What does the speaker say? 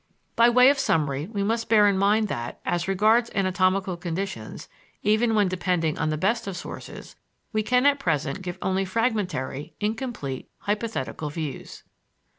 By way of summary we must bear in mind that, as regards anatomical conditions, even when depending on the best of sources, we can at present give only fragmentary, incomplete, hypothetical views.